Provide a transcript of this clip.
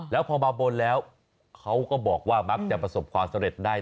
แล้วพอมาบนแล้วเขาก็บอกว่ามักจะประสบความสำเร็จได้